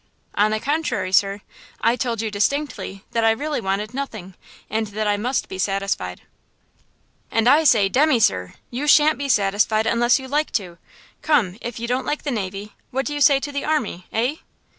"On the contrary, sir, I told you distinctly that I really wanted nothing, and that I must be satisfied." "And I say, demmy, sir! you sha'n't be satisfied unless you like to! Come, if you don't like the navy, what do you say to the army, eh?"